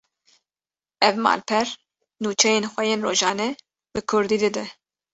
Ev malper, nûçeyên xwe yên rojane bi Kurdî dide